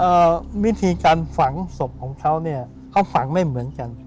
วิธีการฝังศพของเขาเนี่ยเขาฝังไม่เหมือนกัน